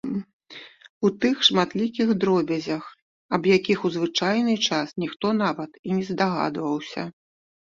У тых шматлікіх дробязях, аб якіх у звычайны час ніхто нават і не здагадваўся.